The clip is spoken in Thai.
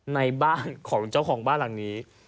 ในบ้านของเจ้าของบ้านหลังนี้